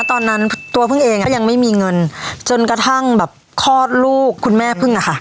ตอนนั้นตัวพึ่งเองก็ยังไม่มีเงินจนกระทั่งแบบคลอดลูกคุณแม่พึ่งอะค่ะ